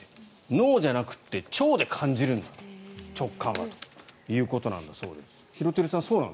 脳じゃなくて腸で感じるんだ直感はということなんだそうです。